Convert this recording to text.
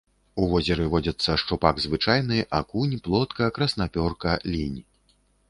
У возеры водзяцца шчупак звычайны, акунь, плотка, краснапёрка, лінь.